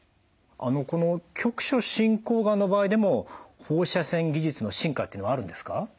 この局所進行がんの場合でも放射線技術の進化っていうのはあるんですか？